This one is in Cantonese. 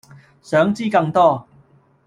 想知更多